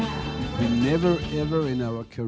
kami tidak pernah pernah